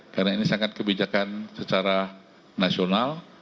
karena ini sangat kebijakan secara nasional